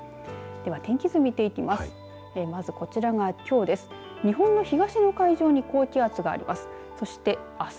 では天気図を見ていきます。